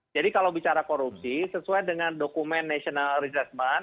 jadi kalau bicara korupsi sesuai dengan dokumen national resessment